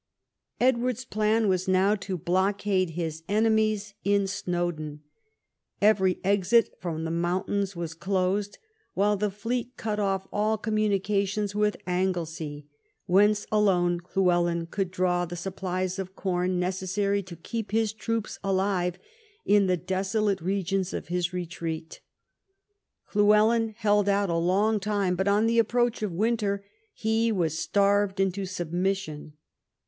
Edward's plan was now to blockade his enemies in 110 EDWARD I CHAP. Snowdon. Every exit from the mountains was closed, while the fleet cut off all communications with Anglesey, whence alone Llywelyn could draw the supplies of corn necessary to keep his troops alive in the desolate regions of his retreat. Llywelyn held out a long time, but on the approach of winter he was starved into submission.